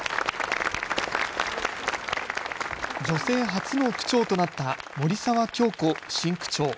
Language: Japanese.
女性初の区長となった森澤恭子新区長。